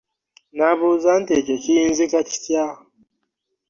Nnabuuza nti Ekyo kiyinzika kitya?